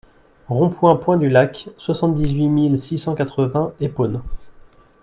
Rond Point Point du Lac, soixante-dix-huit mille six cent quatre-vingts Épône